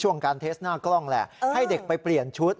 การเทสหน้ากล้องแหละให้เด็กไปเปลี่ยนชุด